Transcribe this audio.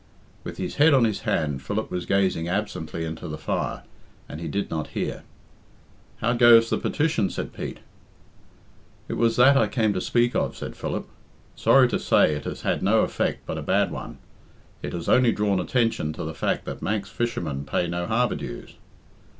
With his head on his hand, Philip was gazing absently into the fire, and he did not hear. "How goes the petition?" said Pete. "It was that I came to speak of," said Philip. "Sorry to say it has had no effect but a bad one. It has only drawn attention to the fact that Manx fishermen pay no harbour dues."